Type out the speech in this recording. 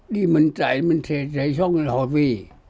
đi mình chạy mình xe rầy xong rồi họ về